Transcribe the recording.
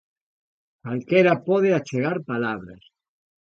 Calquera pode achegar palabras.